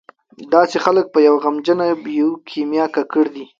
داسې خلک په یوه غمجنه بیوکیمیا ککړ دي.